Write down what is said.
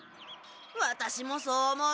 ワタシもそう思う。